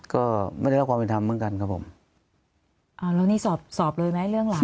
ก็ไม่ได้รับความเป็นธรรมเหมือนกันครับผมอ่าแล้วนี่สอบสอบเลยไหมเรื่องหลัง